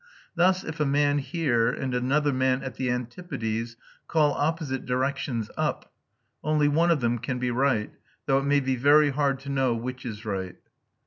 Thus if a man here and another man at the antipodes call opposite directions up, "only one of them can be right, though it may be very hard to know which is right."